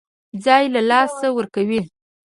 ځای له لاسه ورکړي.